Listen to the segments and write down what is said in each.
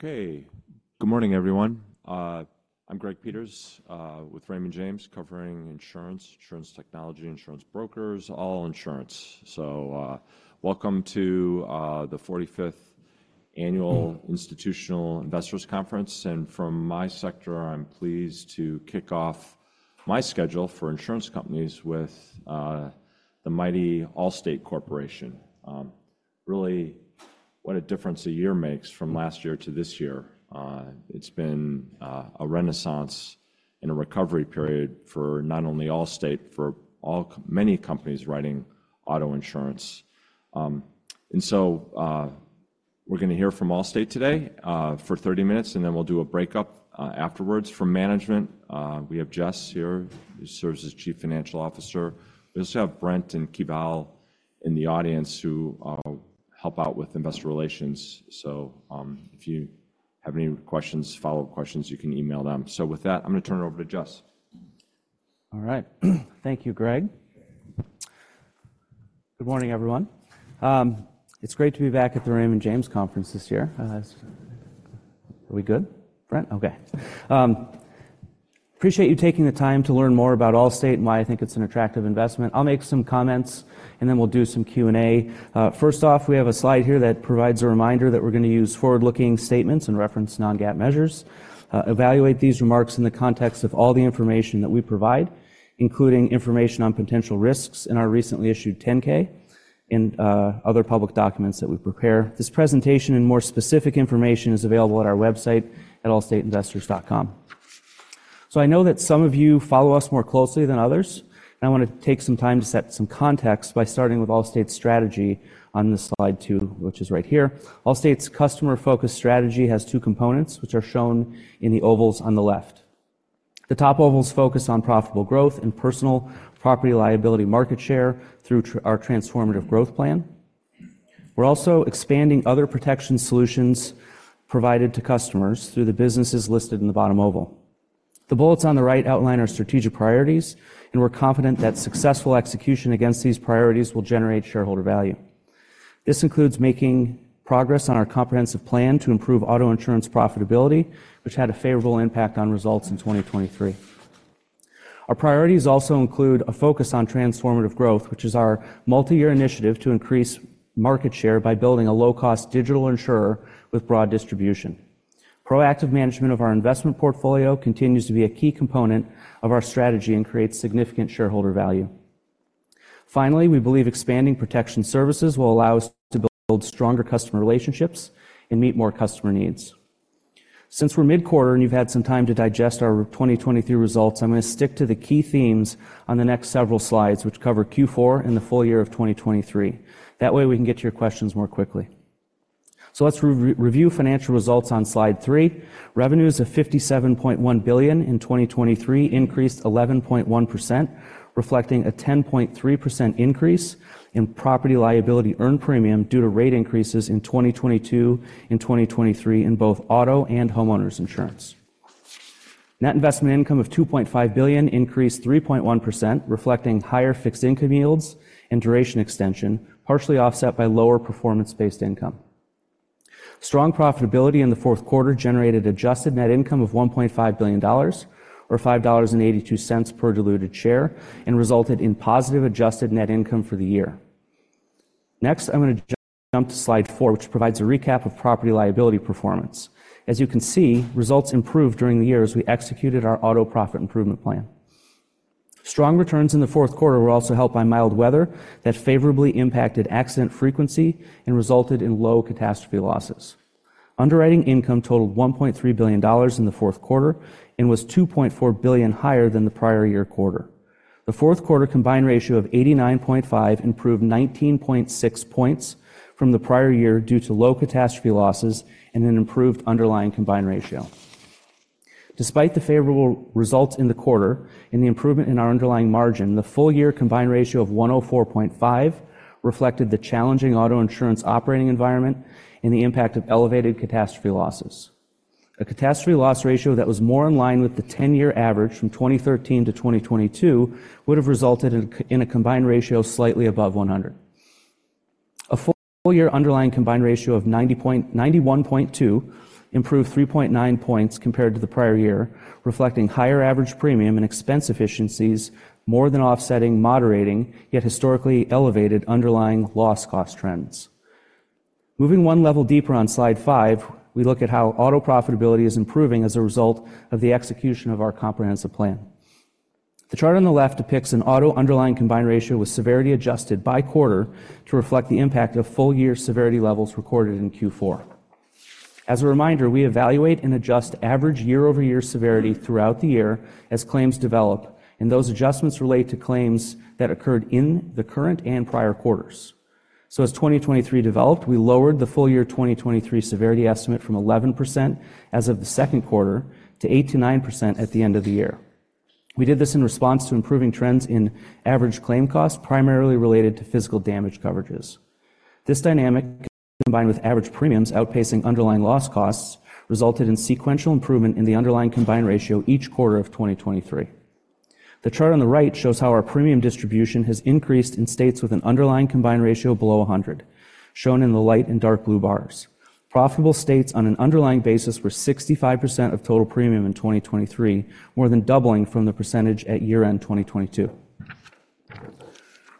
Okay, good morning, everyone. I'm Greg Peters, with Raymond James, covering insurance, insurance technology, insurance brokers, all insurance. So, welcome to the 45th Annual Institutional Investors Conference. From my sector, I'm pleased to kick off my schedule for insurance companies with the mighty Allstate Corporation. Really, what a difference a year makes from last year to this year. It's been a renaissance and a recovery period for not only Allstate, for all, many companies writing auto insurance. So, we're gonna hear from Allstate today, for 30 minutes, and then we'll do a breakup afterwards. From management, we have Jess here. He serves as Chief Financial Officer. We also have Brent and Kevin in the audience who help out with investor relations. So, if you have any questions, follow-up questions, you can email them. So with that, I'm gonna turn it over to Jess. All right. Thank you, Greg. Good morning, everyone. It's great to be back at the Raymond James Conference this year. So, are we good? Brent? Okay. Appreciate you taking the time to learn more about Allstate and why I think it's an attractive investment. I'll make some comments, and then we'll do some Q and A. First off, we have a slide here that provides a reminder that we're gonna use forward-looking statements and reference non-GAAP measures. Evaluate these remarks in the context of all the information that we provide, including information on potential risks in our recently issued 10-K and other public documents that we prepare. This presentation and more specific information is available at our website at allstateinvestors.com. So I know that some of you follow us more closely than others, and I wanna take some time to set some context by starting with Allstate's strategy on this slide too, which is right here. Allstate's customer-focused strategy has two components, which are shown in the ovals on the left. The top ovals focus on profitable growth and personal property liability market share through our Transformative Growth plan. We're also expanding other protection solutions provided to customers through the businesses listed in the bottom oval. The bullets on the right outline our strategic priorities, and we're confident that successful execution against these priorities will generate shareholder value. This includes making progress on our comprehensive plan to improve auto insurance profitability, which had a favorable impact on results in 2023. Our priorities also include a focus on transformative growth, which is our multi-year initiative to increase market share by building a low-cost digital insurer with broad distribution. Proactive management of our investment portfolio continues to be a key component of our strategy and creates significant shareholder value. Finally, we believe expanding protection services will allow us to build stronger customer relationships and meet more customer needs. Since we're mid-quarter and you've had some time to digest our 2023 results, I'm gonna stick to the key themes on the next several slides, which cover Q4 and the full year of 2023. That way, we can get to your questions more quickly. So let's re-review financial results on slide three. Revenues of $57.1 billion in 2023 increased 11.1%, reflecting a 10.3% increase in property liability earned premium due to rate increases in 2022 and 2023 in both auto and homeowners insurance. Net Investment Income of $2.5 billion increased 3.1%, reflecting higher fixed income yields and duration extension, partially offset by lower performance-based income. Strong profitability in the fourth quarter generated Adjusted Net Income of $1.5 billion, or $5.82 per diluted share, and resulted in positive Adjusted Net Income for the year. Next, I'm gonna jump to slide 4, which provides a recap of property liability performance. As you can see, results improved during the year as we executed our Auto Profit Improvement Plan. Strong returns in the fourth quarter were also helped by mild weather that favorably impacted accident frequency and resulted in low catastrophe losses. Underwriting income totaled $1.3 billion in the fourth quarter and was $2.4 billion higher than the prior year quarter. The fourth quarter Combined Ratio of 89.5 improved 19.6 points from the prior year due to low catastrophe losses and an improved Underlying Combined Ratio. Despite the favorable results in the quarter and the improvement in our underlying margin, the full-year combined ratio of 104.5 reflected the challenging auto insurance operating environment and the impact of elevated catastrophe losses. A catastrophe loss ratio that was more in line with the 10-year average from 2013 to 2022 would have resulted in a combined ratio slightly above 100. A full-year underlying combined ratio of 90 -91.2 improved 3.9 points compared to the prior year, reflecting higher average premium and expense efficiencies, more setting, moderating, yet historically elevated underlying loss cost trends. Moving one level deeper on slide five, we look at how auto profitability is improving as a result of the execution of our comprehensive plan. The chart on the left depicts an auto underlying combined ratio with severity adjusted by quarter to reflect the impact of full-year severity levels recorded in Q4. As a reminder, we evaluate and adjust average year-over-year severity throughout the year as claims develop, and those adjustments relate to claims that occurred in the current and prior quarters. So as 2023 developed, we lowered the full-year 2023 severity estimate from 11% as of the second quarter to 8%-9% at the end of the year. We did this in response to improving trends in average claim costs, primarily related to physical damage coverages. This dynamic, combined with average premiums outpacing underlying loss costs, resulted in sequential improvement in the underlying combined ratio each quarter of 2023. The chart on the right shows how our premium distribution has increased in states with an underlying combined ratio below 100, shown in the light and dark blue bars. Profitable states on an underlying basis were 65% of total premium in 2023, more than doubling from the percentage at year-end 2022.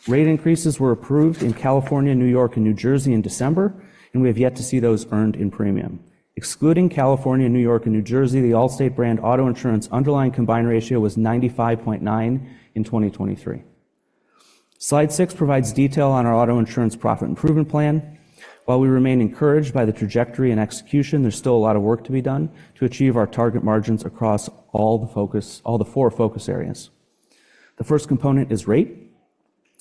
Rate increases were approved in California, New York, and New Jersey in December, and we have yet to see those earned premium. Excluding California, New York, and New Jersey, the Allstate brand auto insurance underlying combined ratio was 95.9 in 2023. Slide 6 provides detail on our auto insurance profit improvement plan. While we remain encouraged by the trajectory and execution, there's still a lot of work to be done to achieve our target margins across all the four focus areas. The first component is rate.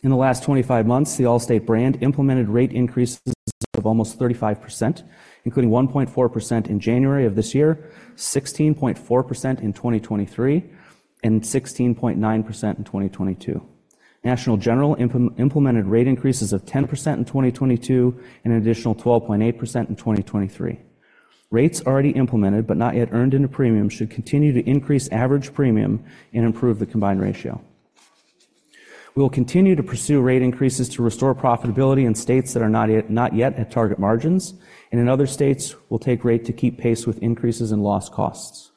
In the last 25 months, the Allstate brand implemented rate increases of almost 35%, including 1.4% in January of this year, 16.4% in 2023, and 16.9% in 2022. National General implemented rate increases of 10% in 2022 and an additional 12.8% in 2023. Rates already implemented but not yet earned into premium should continue to increase average premium and improve the combined ratio. We will continue to pursue rate increases to restore profitability in states that are not yet at target margins, and in other states, we'll take rate to keep pace with increases in loss costs.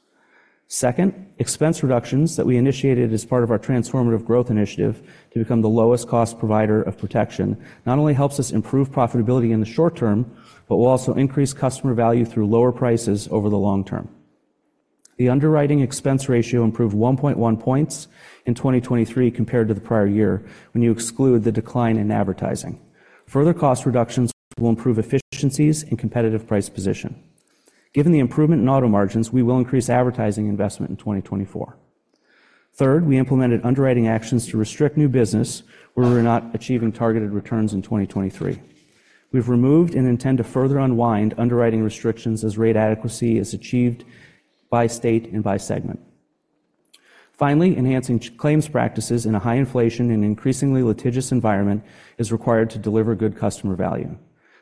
Second, expense reductions that we initiated as part of our transformative growth initiative to become the lowest-cost provider of protection not only helps us improve profitability in the short term but will also increase customer value through lower prices over the long term. The underwriting expense ratio improved 1.1 points in 2023 compared to the prior year when you exclude the decline in advertising. Further cost reductions will improve efficiencies and competitive price position. Given the improvement in auto margins, we will increase advertising investment in 2024. Third, we implemented underwriting actions to restrict new business where we were not achieving targeted returns in 2023. We've removed and intend to further unwind underwriting restrictions as rate adequacy is achieved by state and by segment. Finally, enhancing claims practices in a high inflation and increasingly litigious environment is required to deliver good customer value.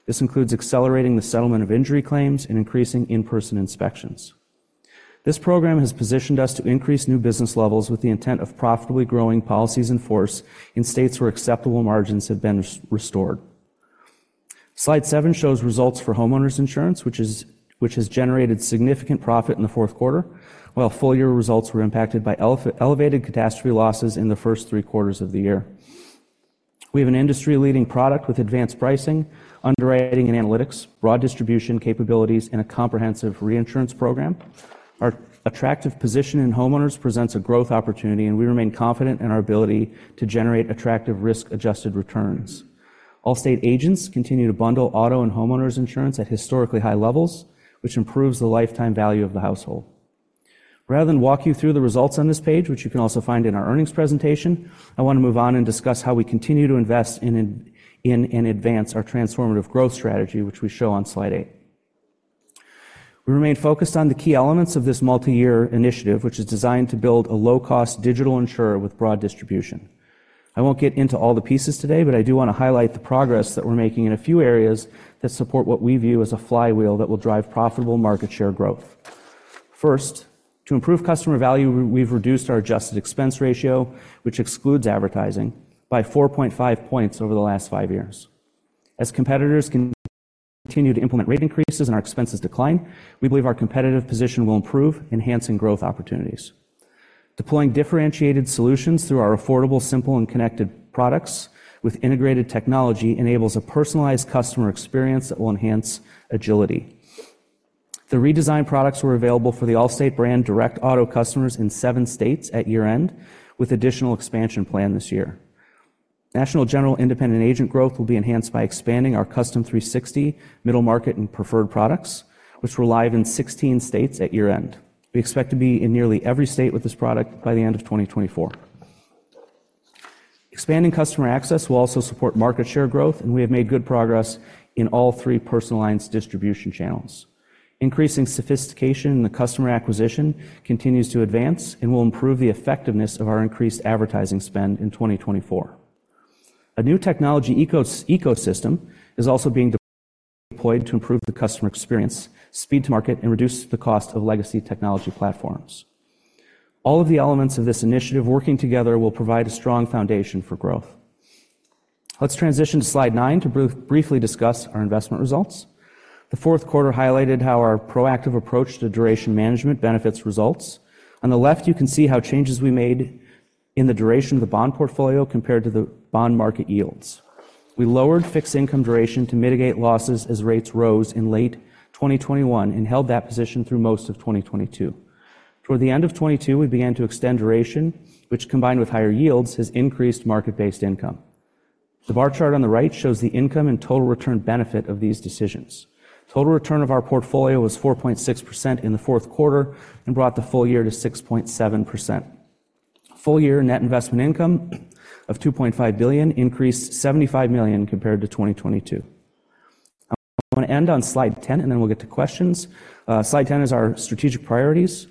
This includes accelerating the settlement of injury claims and increasing in-person inspections. This program has positioned us to increase new business levels with the intent of profitably growing policies in force in states where acceptable margins have been restored. Slide 7 shows results for homeowners insurance, which has generated significant profit in the fourth quarter, while full-year results were impacted by elevated catastrophe losses in the first three quarters of the year. We have an industry-leading product with advanced pricing, underwriting and analytics, broad distribution capabilities, and a comprehensive reinsurance program. Our attractive position in homeowners presents a growth opportunity, and we remain confident in our ability to generate attractive risk-adjusted returns. Allstate agents continue to bundle auto and homeowners insurance at historically high levels, which improves the lifetime value of the household. Rather than walk you through the results on this page, which you can also find in our earnings presentation, I wanna move on and discuss how we continue to invest in advance our transformative growth strategy, which we show on slide 8. We remain focused on the key elements of this multi-year initiative, which is designed to build a low-cost digital insurer with broad distribution. I won't get into all the pieces today, but I do wanna highlight the progress that we're making in a few areas that support what we view as a flywheel that will drive profitable market share growth. First, to improve customer value, we've reduced our adjusted expense ratio, which excludes advertising, by 4.5 points over the last five years. As competitors can continue to implement rate increases and our expenses decline, we believe our competitive position will improve, enhancing growth opportunities. Deploying differentiated solutions through our affordable, simple, and connected products with integrated technology enables a personalized customer experience that will enhance agility. The redesigned products were available for the Allstate brand direct auto customers in seven states at year-end, with additional expansion planned this year. National General independent agent growth will be enhanced by expanding our Custom 360 middle market and preferred products, which will live in 16 states at year-end. We expect to be in nearly every state with this product by the end of 2024. Expanding customer access will also support market share growth, and we have made good progress in all three personalized distribution channels. Increasing sophistication in the customer acquisition continues to advance and will improve the effectiveness of our increased advertising spend in 2024. A new technology ecosystem is also being deployed to improve the customer experience, speed to market, and reduce the cost of legacy technology platforms. All of the elements of this initiative working together will provide a strong foundation for growth. Let's transition to slide nine to briefly discuss our investment results. The fourth quarter highlighted how our proactive approach to duration management benefits results. On the left, you can see how changes we made in the duration of the bond portfolio compared to the bond market yields. We lowered fixed income duration to mitigate losses as rates rose in late 2021 and held that position through most of 2022. Toward the end of 2022, we began to extend duration, which, combined with higher yields, has increased market-based income. The bar chart on the right shows the income and total return benefit of these decisions. Total return of our portfolio was 4.6% in the fourth quarter and brought the full year to 6.7%. Full-year net investment income of $2.5 billion increased $75 million compared to 2022. I wanna end on slide 10, and then we'll get to questions. Slide 10 is our strategic priorities.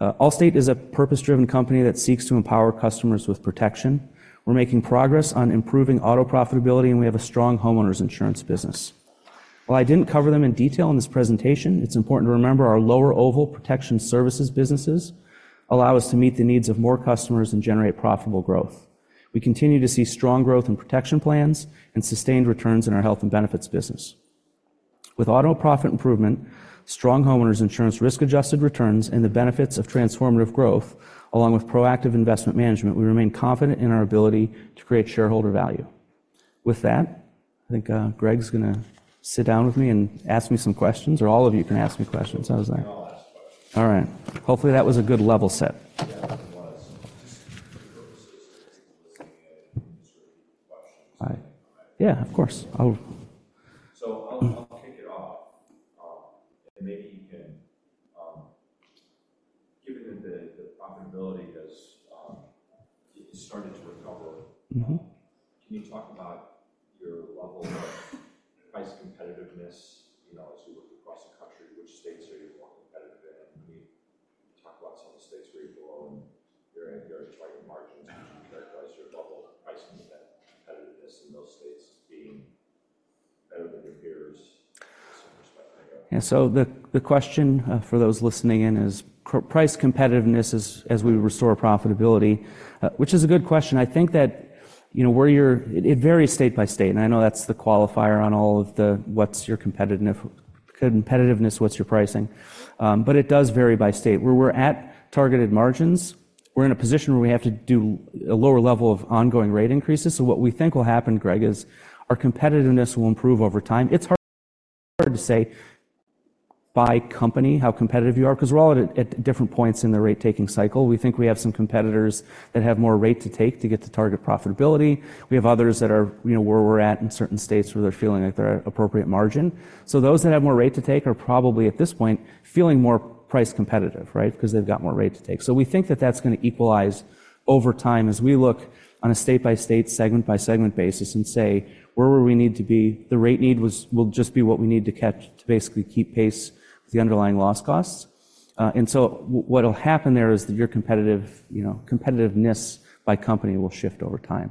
Allstate is a purpose-driven company that seeks to empower customers with protection. We're making progress on improving auto profitability, and we have a strong homeowners insurance business. While I didn't cover them in detail in this presentation, it's important to remember our Allstate Protection Services businesses allow us to meet the needs of more customers and generate profitable growth. We continue to see strong growth in protection plans and sustained returns in our health and benefits business. With auto profit improvement, strong homeowners insurance risk-adjusted returns, and the benefits of transformative growth, along with proactive investment management, we remain confident in our ability to create shareholder value. With that, I think, Greg's gonna sit down with me and ask me some questions, or all of you can ask me questions. How's that? I'll ask questions. All right. Hopefully, that was a good level set. Yeah, it was. Just for the purposes of listening and answering questions. All right. All right. Yeah, of course. So I'll kick it off, and maybe you can, given that the profitability has, it's started to recover. Mm-hmm. Can you talk about your level of price competitiveness, you know, as you look across the country? Which states are you more competitive in? Can you talk about some of the states where you belong and your target margins, which would characterize your level of price competitiveness in those states being better than your peers in some respect? Yeah, so the question, for those listening in is, "Our price competitiveness as we restore profitability?" which is a good question. I think that, you know, where you're at, it varies state by state, and I know that's the qualifier on all of the what's your competitiveness, what's your pricing. But it does vary by state. Where we're at targeted margins, we're in a position where we have to do a lower level of ongoing rate increases. So what we think will happen, Greg, is our competitiveness will improve over time. It's hard to say by company how competitive you are 'cause we're all at different points in the rate-taking cycle. We think we have some competitors that have more rate to take to get to target profitability. We have others that are, you know, where we're at in certain states where they're feeling like they're at appropriate margin. So those that have more rate to take are probably, at this point, feeling more price competitive, right, 'cause they've got more rate to take. So we think that that's gonna equalize over time as we look on a state-by-state, segment-by-segment basis and say, "Where do we need to be? The rate need will just be what we need to catch to basically keep pace with the underlying loss costs." And so what'll happen there is that your competitive, you know, competitiveness by company will shift over time.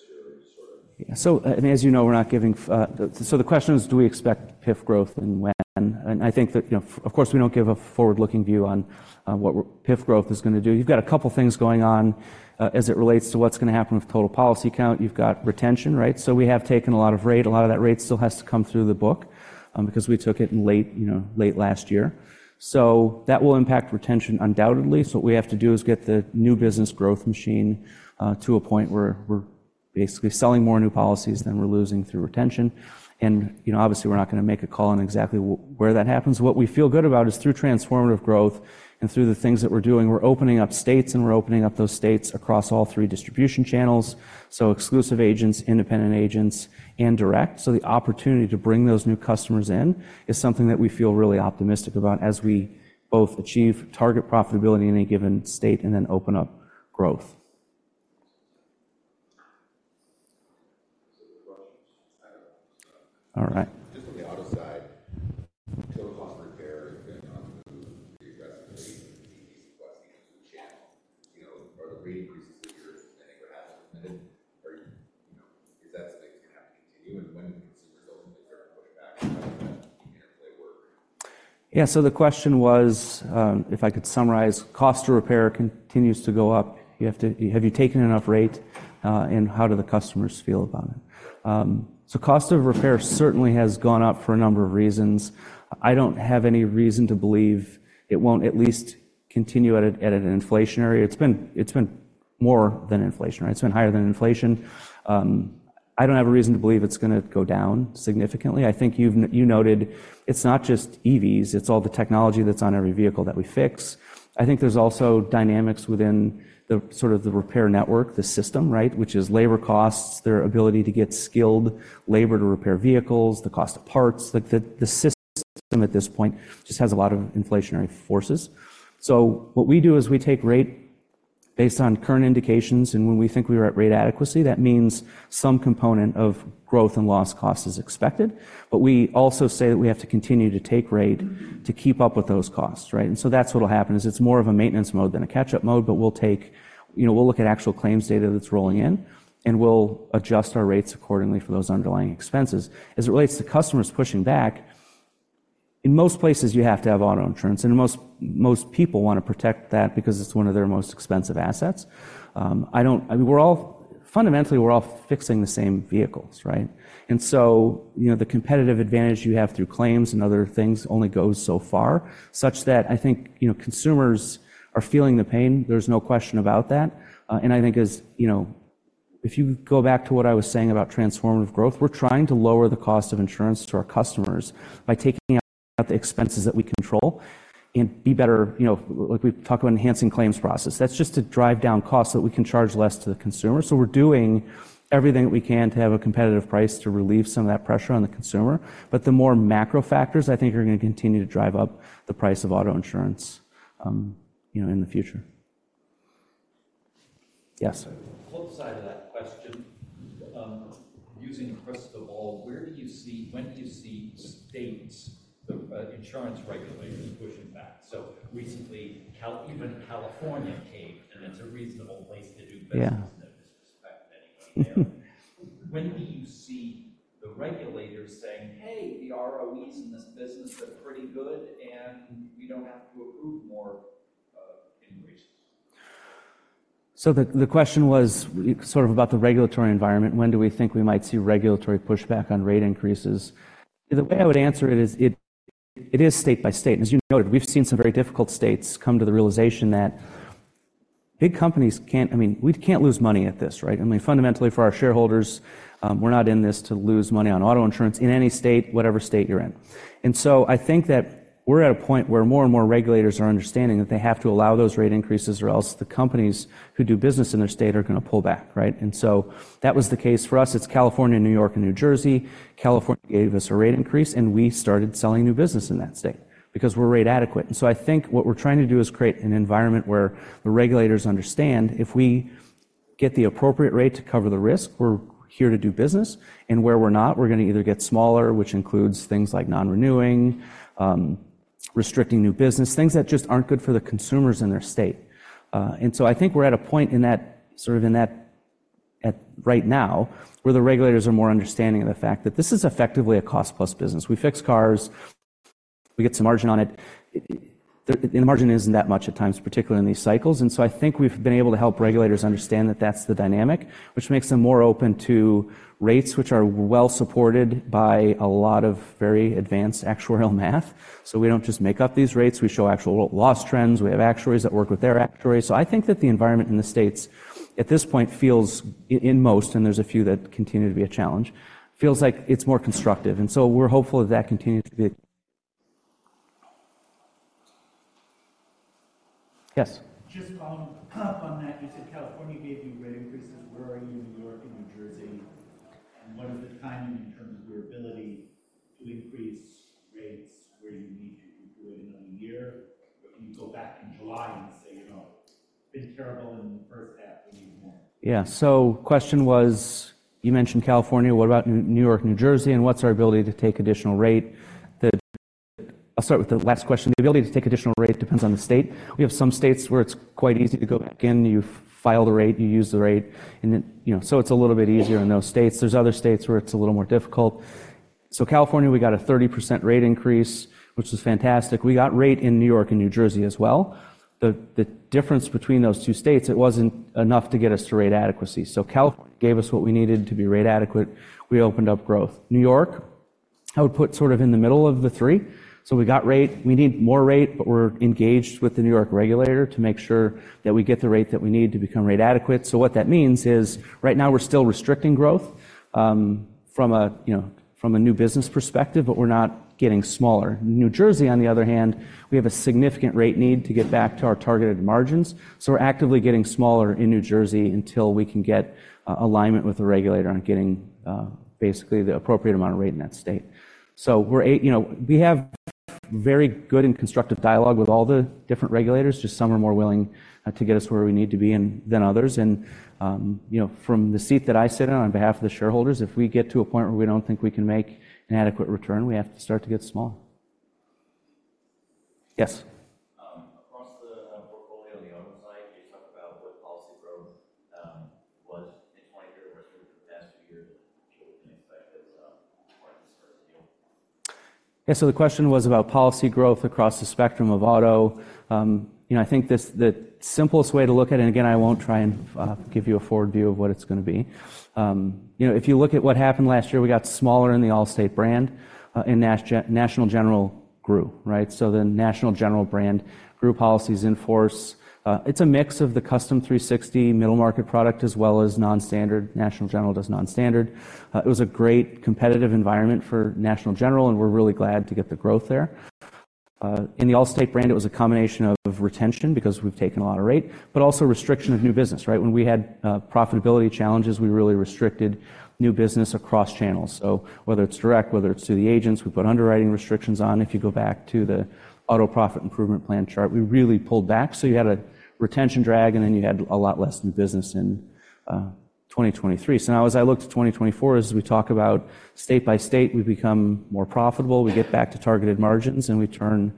So do you anticipate, as you look forward, that the policy challenge PIF growth is going to the institutions grow a part of that? Is that expected to happen by the end of this year, you know, sooner, or what's your sort of? Yeah, so as you know, we're not giving. The question is, do we expect PIF growth and when? And I think that, you know, of course, we don't give a forward-looking view on what we're PIF growth is gonna do. You've got a couple things going on, as it relates to what's gonna happen with total policy count. You've got retention, right? So we have taken a lot of rate. A lot of that rate still has to come through the book, because we took it in late, you know, late last year. So that will impact retention undoubtedly. So what we have to do is get the new business growth machine to a point where we're basically selling more new policies than we're losing through retention. And, you know, obviously, we're not gonna make a call on exactly where that happens. What we feel good about is through transformative growth and through the things that we're doing, we're opening up states, and we're opening up those states across all three distribution channels: so exclusive agents, independent agents, and direct. So the opportunity to bring those new customers in is something that we feel really optimistic about as we both achieve target profitability in a given state and then open up growth. Any questions? I don't know. All right. Just on the auto side, total cost of repair, depending on who reimburses the rate, and the PPC plus the new channel, you know, are the rate increases that you're expending or haven't expended? Are you, you know, is that something that's gonna have to continue? And when do consumers ultimately start to push back? How does that interplay work? Yeah, so the question was, if I could summarize, cost of repair continues to go up. Have you taken enough rate, and how do the customers feel about it? Cost of repair certainly has gone up for a number of reasons. I don't have any reason to believe it won't at least continue at an inflationary [rate]. It's been more than inflation, right? It's been higher than inflation. I don't have a reason to believe it's gonna go down significantly. I think you've noted it's not just EVs. It's all the technology that's on every vehicle that we fix. I think there's also dynamics within the sort of the repair network, the system, right, which is labor costs, their ability to get skilled labor to repair vehicles, the cost of parts. Like, the system at this point just has a lot of inflationary forces. So what we do is we take rate based on current indications, and when we think we are at rate adequacy, that means some component of growth and loss cost is expected. But we also say that we have to continue to take rate to keep up with those costs, right? And so that's what'll happen is it's more of a maintenance mode than a catch-up mode, but we'll take, you know, we'll look at actual claims data that's rolling in, and we'll adjust our rates accordingly for those underlying expenses. As it relates to customers pushing back, in most places, you have to have auto insurance, and most people wanna protect that because it's one of their most expensive assets. I don't, I mean, we're all fundamentally, we're all fixing the same vehicles, right? So, you know, the competitive advantage you have through claims and other things only goes so far, such that I think, you know, consumers are feeling the pain. There's no question about that. I think as, you know, if you go back to what I was saying about transformative growth, we're trying to lower the cost of insurance to our customers by taking out the expenses that we control and be better, you know, like we talk about enhancing claims process. That's just to drive down costs so that we can charge less to the consumer. So we're doing everything that we can to have a competitive price to relieve some of that pressure on the consumer. But the more macro factors, I think, are gonna continue to drive up the price of auto insurance, you know, in the future. Yes? On the flip side of that question, using the crystal ball, where do you see states, the insurance regulators pushing back? So recently, California even came, and it's a reasonable place to do business. I don't suspect anybody there. When do you see the regulators saying, "Hey, the ROEs in this business are pretty good, and we don't have to approve more increases"? So the question was sort of about the regulatory environment. When do we think we might see regulatory pushback on rate increases? The way I would answer it is it is state by state. And as you noted, we've seen some very difficult states come to the realization that big companies can't I mean, we can't lose money at this, right? I mean, fundamentally, for our shareholders, we're not in this to lose money on auto insurance in any state, whatever state you're in. And so I think that we're at a point where more and more regulators are understanding that they have to allow those rate increases, or else the companies who do business in their state are gonna pull back, right? And so that was the case for us. It's California, New York, and New Jersey. California gave us a rate increase, and we started selling new business in that state because we're rate adequate. And so I think what we're trying to do is create an environment where the regulators understand, if we get the appropriate rate to cover the risk, we're here to do business. And where we're not, we're gonna either get smaller, which includes things like non-renewing, restricting new business, things that just aren't good for the consumers in their state. And so I think we're at a point in that sort of right now where the regulators are more understanding of the fact that this is effectively a cost-plus business. We fix cars. We get some margin on it. It's the margin, and the margin isn't that much at times, particularly in these cycles. And so I think we've been able to help regulators understand that that's the dynamic, which makes them more open to rates, which are well supported by a lot of very advanced actuarial math. So we don't just make up these rates. We show actual loss trends. We have actuaries that work with their actuaries. So I think that the environment in the states at this point feels in most, and there's a few that continue to be a challenge, feels like it's more constructive. And so we're hopeful that that continues to be a continue. Yes? Just, up on that, you said California gave you rate increases. Where are you in New York and New Jersey? And what is the timing in terms of your ability to increase rates where you need to? Do you do it in a year, or can you go back in July and say, "You know, it's been terrible in the first half. We need more"? Yeah, so the question was, you mentioned California. What about New York, New Jersey, and what's our ability to take additional rate? I'll start with the last question. The ability to take additional rate depends on the state. We have some states where it's quite easy to go back in. You file the rate. You use the rate. And it, you know, so it's a little bit easier in those states. There's other states where it's a little more difficult. So California, we got a 30% rate increase, which was fantastic. We got rate in New York and New Jersey as well. The difference between those two states, it wasn't enough to get us to rate adequacy. So California gave us what we needed to be rate adequate. We opened up growth. New York, I would put sort of in the middle of the three. So we got rate. We need more rate, but we're engaged with the New York regulator to make sure that we get the rate that we need to become rate adequate. So what that means is right now, we're still restricting growth, from a you know, from a new business perspective, but we're not getting smaller. New Jersey, on the other hand, we have a significant rate need to get back to our targeted margins. So we're actively getting smaller in New Jersey until we can get alignment with the regulator on getting basically the appropriate amount of rate in that state. So we're, you know, we have very good and constructive dialogue with all the different regulators. Just some are more willing to get us where we need to be than others. You know, from the seat that I sit in on behalf of the shareholders, if we get to a point where we don't think we can make an adequate return, we have to start to get smaller. Yes? Across the portfolio on the auto side, can you talk about what policy growth was in 2023 and what's here for the past few years and what you would've been expecting as part of this sort of deal? Yeah, so the question was about policy growth across the spectrum of auto. You know, I think this the simplest way to look at it and again, I won't try and give you a forward view of what it's gonna be. You know, if you look at what happened last year, we got smaller in the Allstate brand, and National General grew, right? So the National General brand grew policies in force. It's a mix of the Custom 360 middle-market product as well as non-standard. National General does non-standard. It was a great competitive environment for National General, and we're really glad to get the growth there. In the Allstate brand, it was a combination of retention because we've taken a lot of rate, but also restriction of new business, right? When we had profitability challenges, we really restricted new business across channels. So whether it's direct, whether it's through the agents, we put underwriting restrictions on. If you go back to the Auto Profit Improvement Plan chart, we really pulled back. So you had a retention drag, and then you had a lot less new business in 2023. So now, as I look to 2024, as we talk about state by state, we become more profitable. We get back to targeted margins, and we turn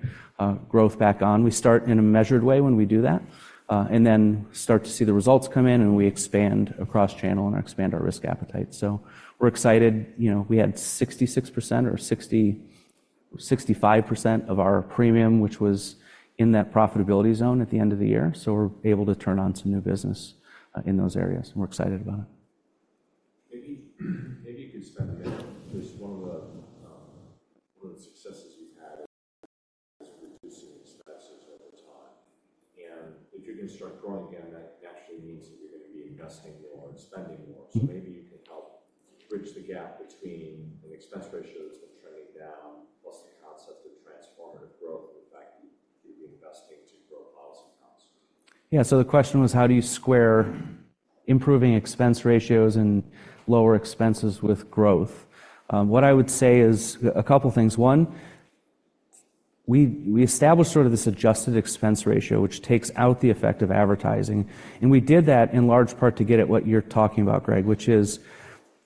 growth back on. We start in a measured way when we do that, and then start to see the results come in, and we expand across channel and expand our risk appetite. So we're excited. You know, we had 66% or 60%-65% of our premium, which was in that profitability zone at the end of the year. So we're able to turn on some new business in those areas, and we're excited about it. Maybe maybe you could spend a minute. Just one of the, one of the successes you've had is reducing expenses over time. If you're gonna start growing again, that naturally means that you're gonna be investing more and spending more. Maybe you can help bridge the gap between an expense ratio that's been trending down plus the concept of transformative growth and the fact that you're reinvesting to grow policy counts. Yeah, so the question was, how do you square improving expense ratios and lower expenses with growth? What I would say is a couple things. One, we established sort of this Adjusted Expense Ratio, which takes out the effect of advertising. And we did that in large part to get at what you're talking about, Greg, which is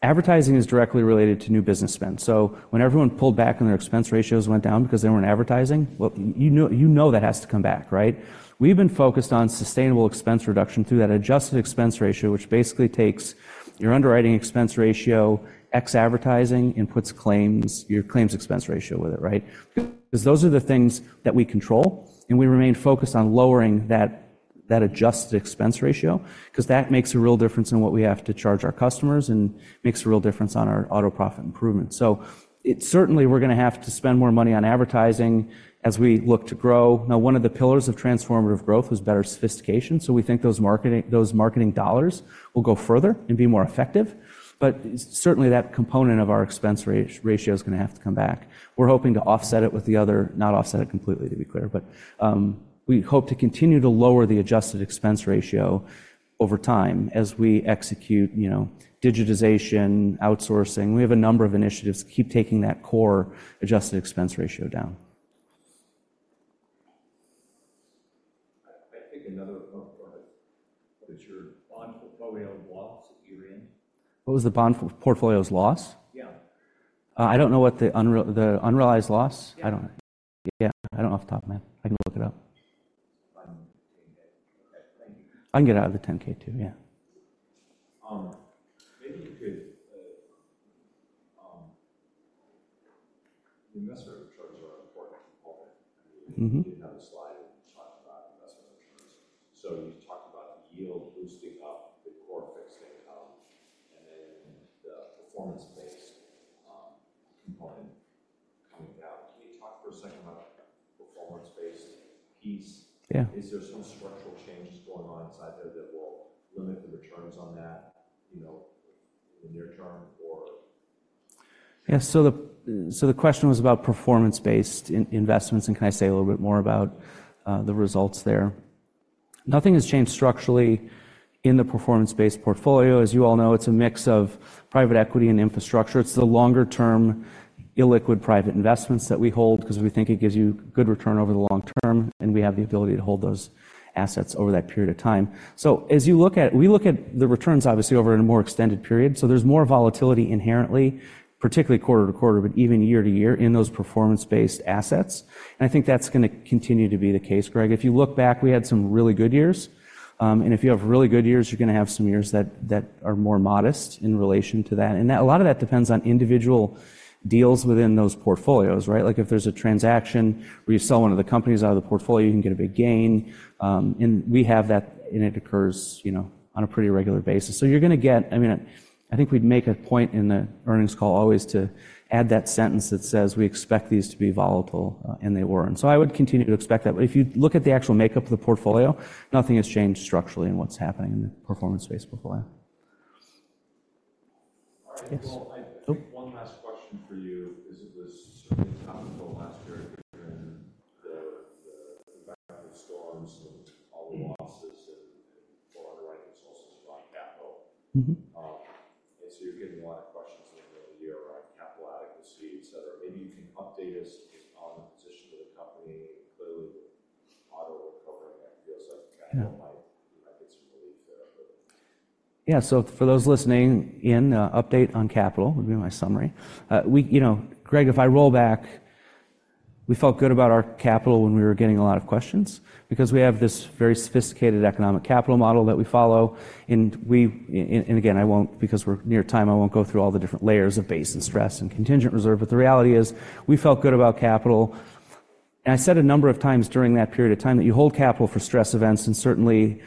advertising is directly related to new business spend. So when everyone pulled back and their expense ratios went down because they weren't advertising, well, you know you know that has to come back, right? We've been focused on sustainable expense reduction through that Adjusted Expense Ratio, which basically takes your underwriting expense ratio, X advertising, and puts claims your claims expense ratio with it, right? Because those are the things that we control, and we remain focused on lowering that Adjusted Expense Ratio because that makes a real difference in what we have to charge our customers and makes a real difference on our auto profit improvement. So, certainly, we're gonna have to spend more money on advertising as we look to grow. Now, one of the pillars of transformative growth was better sophistication. So we think those marketing dollars will go further and be more effective. But certainly, that component of our expense ratio is gonna have to come back. We're hoping to offset it with the other, not offset it completely, to be clear. But, we hope to continue to lower the Adjusted Expense Ratio over time as we execute, you know, digitization, outsourcing. We have a number of initiatives to keep taking that core Adjusted Expense Ratio down. I think another of the part is what is your bond portfolio loss that you ran? What was the bond portfolio's loss? Yeah. I don't know what the unrealized loss. Yeah. I don't, yeah, I don't know off the top, man. I can look it up. I'm 10-K. Okay, thank you. I can get out of the 10-K too, yeah. Maybe you could, the investor returns are an important component. I mean. Mm-hmm. You did have a slide where you talked about investor returns. You talked about the yield boosting up, the core fixed income, and then the performance-based component coming down. Can you talk for a second about performance-based piece? Yeah. Is there some structural changes going on inside there that will limit the returns on that, you know, in the near term, or? Yeah, so the question was about Performance-Based Investments, and can I say a little bit more about the results there? Nothing has changed structurally in the performance-based portfolio. As you all know, it's a mix of private equity and infrastructure. It's the longer-term illiquid private investments that we hold because we think it gives you good return over the long term, and we have the ability to hold those assets over that period of time. So as we look at the returns, obviously, over a more extended period. So there's more volatility inherently, particularly quarter to quarter, but even year to year in those performance-based assets. And I think that's gonna continue to be the case, Greg. If you look back, we had some really good years. and if you have really good years, you're gonna have some years that are more modest in relation to that. And a lot of that depends on individual deals within those portfolios, right? Like, if there's a transaction where you sell one of the companies out of the portfolio, you can get a big gain. And we have that, and it occurs, you know, on a pretty regular basis. So you're gonna get I mean, I think we'd make a point in the earnings call always to add that sentence that says, "We expect these to be volatile," and they were. And so I would continue to expect that. But if you look at the actual makeup of the portfolio, nothing has changed structurally in what's happening in the performance-based portfolio. All right. Well, I have one last question for you because it was certainly topical last year during the wake of the storms, all the losses, and for underwriting consultants brought capital. Mm-hmm. So you're getting a lot of questions in the middle of the year around capital adequacy, etc. Maybe you can update us on the position of the company. Clearly, auto recovering, it feels like capital might get some relief there, but. Yeah, so for those listening in, update on capital would be my summary. We, you know, Greg, if I roll back, we felt good about our capital when we were getting a lot of questions because we have this very sophisticated economic capital model that we follow. And we and again, I won't because we're near time, I won't go through all the different layers of base and stress and contingent reserve. But the reality is, we felt good about capital. And I said a number of times during that period of time that you hold capital for stress events. And certainly,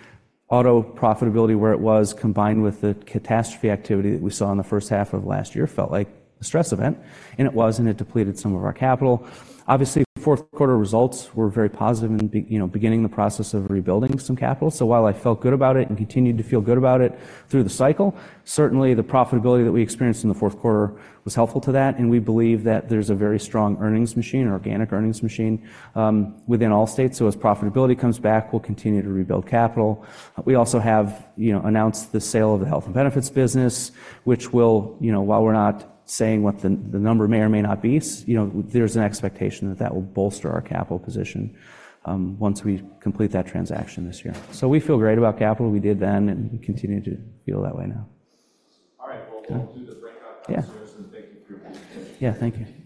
auto profitability, where it was combined with the catastrophe activity that we saw in the first half of last year, felt like a stress event. And it was, and it depleted some of our capital. Obviously, fourth quarter results were very positive in, you know, beginning the process of rebuilding some capital. So while I felt good about it and continued to feel good about it through the cycle, certainly, the profitability that we experienced in the fourth quarter was helpful to that. And we believe that there's a very strong earnings machine, organic earnings machine, within Allstate. So as profitability comes back, we'll continue to rebuild capital. We also have, you know, announced the sale of the health and benefits business, which will, you know, while we're not saying what the number may or may not be, you know, there's an expectation that that will bolster our capital position, once we complete that transaction this year. So we feel great about capital. We did then, and we continue to feel that way now. All right. Well, we'll do the breakout downstairs, and thank you for your presentation. Yeah, thank you.